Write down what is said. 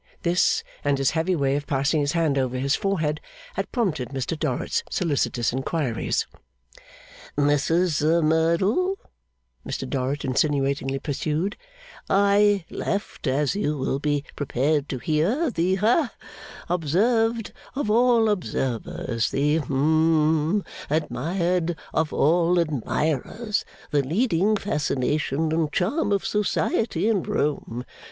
This, and his heavy way of passing his hand over his forehead, had prompted Mr Dorrit's solicitous inquiries. 'Mrs Merdle,' Mr Dorrit insinuatingly pursued, 'I left, as you will be prepared to hear, the ha observed of all observers, the hum admired of all admirers, the leading fascination and charm of Society in Rome.